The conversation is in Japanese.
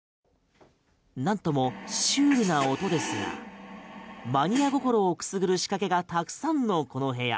なんともシュールな音ですがマニア心をくすぐる仕掛けがたくさんのこの部屋。